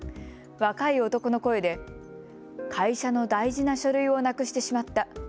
若い男の声で、会社の大事な書類をなくしてしまった。